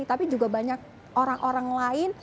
tapi juga banyak orang orang lain